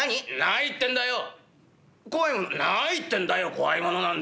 「ないってんだよ怖いものなんざ。